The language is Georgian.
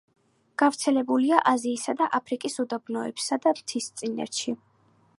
გავრცელებულია აზიისა და აფრიკის უდაბნოებსა და მთისწინეთში.